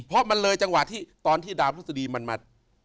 เพราะมันเลยจังหวะที่ตอนที่ดาวพฤษฎีมันมา